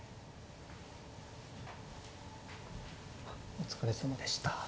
お疲れさまでした。